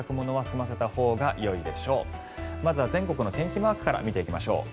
まずは全国の天気マークから見ていきましょう。